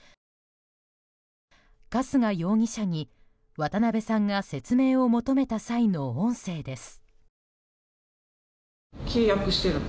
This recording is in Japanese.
春日容疑者に渡辺さんが説明を求めた際の音声です。